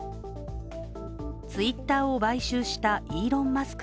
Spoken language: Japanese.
Ｔｗｉｔｔｅｒを買収したイーロン・マスク